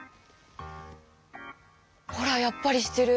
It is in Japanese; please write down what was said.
ほらやっぱりしてる！